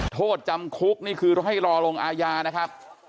โทษจำคุกนี่คือให้รอลงอาญานะครับ